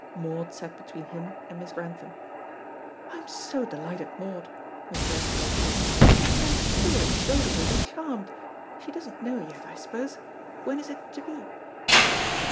Maud sat between him and Miss Grantham. "I am so delighted, Maud," Miss Grantham was saying, "and I am sure Dodo will be charmed. She doesn't know yet, I suppose? When is it to be?"